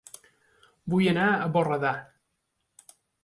Vull anar a Borredà